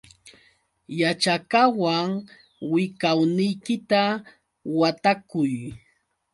Waćhakawan wiqawniykita watakuy.